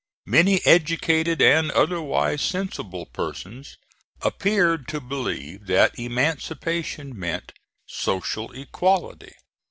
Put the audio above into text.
Many educated and, otherwise, sensible persons appeared to believe that emancipation meant social equality.